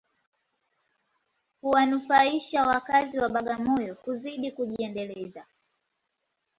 Huwanufaisha wakazi wa Bagamoyo kuzidi kujiendeleza